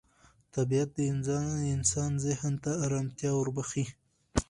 طبیعت د انسان ذهن ته ارامتیا وربخښي